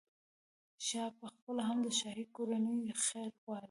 شاه پخپله هم د شاهي کورنۍ خیر غواړي.